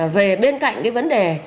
về bên cạnh cái vấn đề